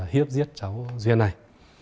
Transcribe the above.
hiếp giết cháu duyên này